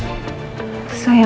untuk mencari kekuatan